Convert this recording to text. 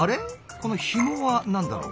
このひもは何だろう？